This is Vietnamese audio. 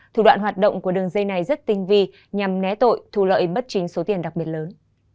thủ đoạn hoạt động của đường dây này rất tinh vi nhằm né tội thu lợi bất chính số tiền đặc biệt lớn